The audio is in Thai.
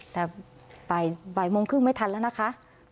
แต่บ่ายโมงครึ่งไม่ทันแล้วนะคะ